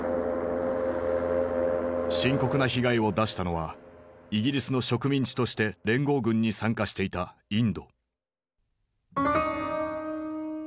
深刻な被害を出したのはイギリスの植民地として連合軍に参加していたインド。